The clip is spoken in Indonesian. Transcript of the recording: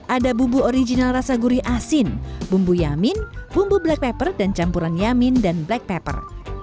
ada bubu original rasa gurih asin bumbu yamin bumbu black pepper dan campuran yamin dan black pepper